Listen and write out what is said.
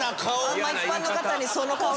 あんま一般の方にその顔で。